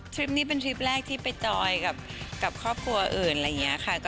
ทริปนี้เป็นทริปแรกที่ไปจ่อยกับครอบครัวหรือแบบอื่น